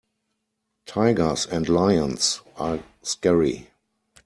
Tigers and lions are scary.